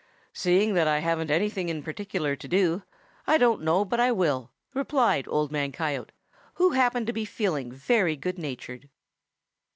"Seeing that I haven't anything in particular to do, I don't know but I will," replied Old Man Coyote, who happened to be feeling very good natured.